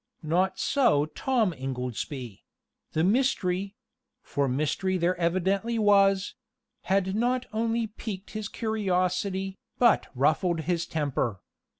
Not so Tom Ingoldsby: the mystery for mystery there evidently was had not only piqued his curiosity, but ruffled his temper.